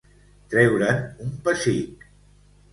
Treure'n un pessic.